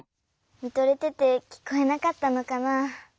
みとれててきこえなかったのかな。